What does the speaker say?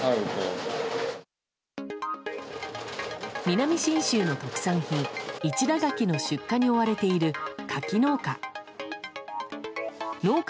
南信州の特産品、市田柿の出荷に追われている柿農家。